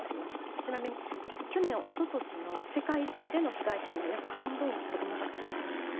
ちなみに去年、おととしの世界中の被害者の約半分が子どもたちなんですね。